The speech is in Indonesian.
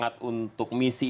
jadi kamu tahu mark nih